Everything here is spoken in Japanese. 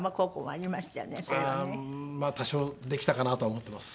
まあ多少できたかなとは思ってます。